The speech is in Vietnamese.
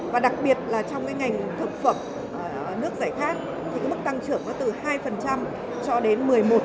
và đặc biệt là trong cái ngành thực phẩm nước giải khát thì mức tăng trưởng từ hai cho đến một mươi một